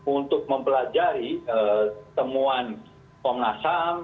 untuk mempelajari temuan komnasam